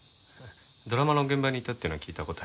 ドラマの現場にいたっていうのは聞いた事ありましたけど。